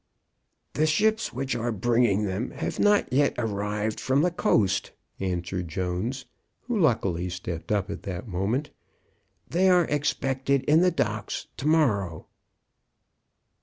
"The ships which are bringing them have not yet arrived from the coast," answered Jones, who luckily stepped up at the moment. "They are expected in the docks to morrow."